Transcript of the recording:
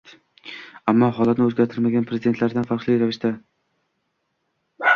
ammo holatni o‘zgartirmagan prezidentlardan farqli ravishda